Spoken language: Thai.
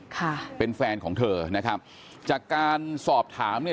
ค่ะเป็นแฟนของเธอนะครับจากการสอบถามเนี่ย